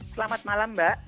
selamat malam mbak